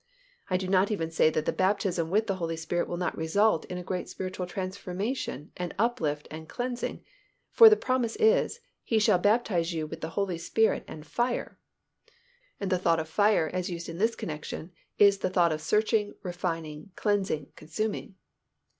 I do not even say that the baptism with the Holy Spirit will not result in a great spiritual transformation and uplift and cleansing, for the promise is, "He shall baptize you with the Holy Spirit and fire" (and the thought of fire as used in this connection is the thought of searching, refining, cleansing, consuming).